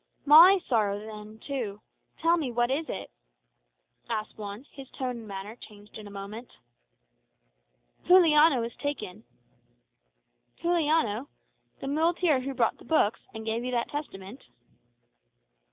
"My sorrow too, then. Tell me, what is it?" asked Juan, his tone and manner changed in a moment. "Juliano is taken." "Juliano! The muleteer who brought the books, and gave you that Testament?"